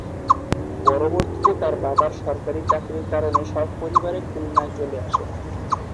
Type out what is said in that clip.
পরবর্তীতে তার বাবার সরকারি চাকরির কারণে স্ব-পরিবারে খুলনায় চলে আসেন।